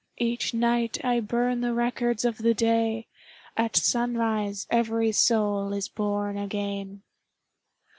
Each night I burn the records of the day, — At sunrise every soul is born again